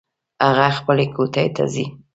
هغه خپلې کوټې ته ځي